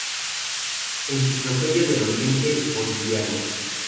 Enciclopedia del Oriente Boliviano.